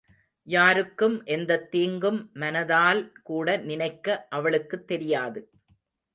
யாருக்கும் எந்தத் தீங்கும் மனதால் கூடநினைக்க அவளுக்குத் தெரியாது.